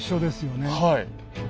はい。